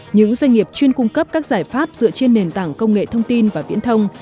những doanh nghiệp chuyên cung cấp các giải pháp dựa trên nền tảng công nghệ thông tin và viễn thông